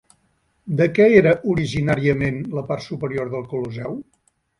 De què era originàriament la part superior del Colosseu?